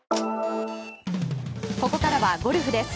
ここからはゴルフです。